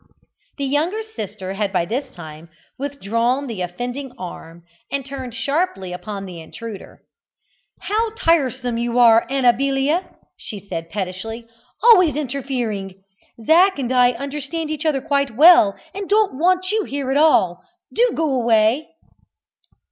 The younger sister had by this time withdrawn the offending arm and turned sharply upon the intruder. "How tiresome you are, Amabilia," she said pettishly; "always interfering. Zac and I understand each other quite well, and don't want you here at all. Do go away!"